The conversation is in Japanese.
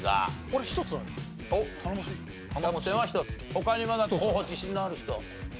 他にまだ候補自信のある人。